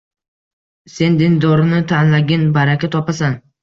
Sen dindorini tanlagin, baraka topasan.